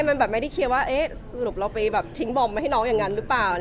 มันแบบไม่ได้เคลียร์ว่าสรุปเราไปทิ้งบอมมาให้น้องอย่างนั้นหรือเปล่า